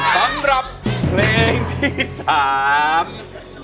สำหรับเพลงที่สาม